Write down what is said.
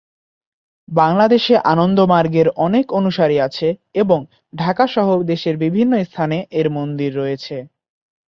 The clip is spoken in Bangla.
বাংলাদেশে আনন্দমার্গের অনেক অনুসারী আছে এবং ঢাকাসহ দেশের বিভিন্ন স্থানে এর মন্দির রয়েছে।